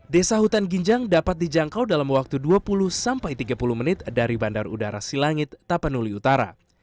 desa hutan ginjang dapat dijangkau dalam waktu dua puluh sampai tiga puluh menit dari bandar udara silangit tapanuli utara